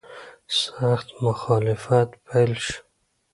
سخت مخالفت پیل شو.